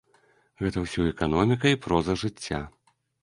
Гэта ўсё эканоміка і проза жыцця.